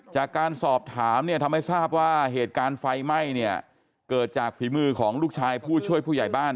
จากการสอบถามเนี่ยทำให้ทราบว่าเหตุการณ์ไฟไหม้เนี่ยเกิดจากฝีมือของลูกชายผู้ช่วยผู้ใหญ่บ้าน